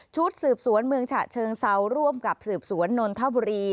ชุดสืบสวนเมืองฉะเชิงเซาร่วมกับสืบสวนนนทบุรี